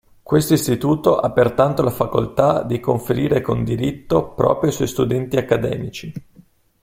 Questo Istituto ha pertanto la facoltà di conferire con diritto proprio ai suoi studenti accademici.